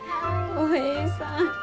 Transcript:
おえいさん。